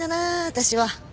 私は。